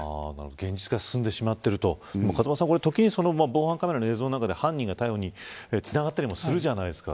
現実が進んでしまっていると時に、防犯カメラの映像で犯人逮捕につながったりもするじゃないですか。